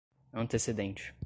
antecedente